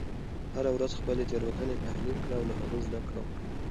هره ورځ خپلې تیروتنې تحلیل کړه او له هغوی زده کړه وکړه.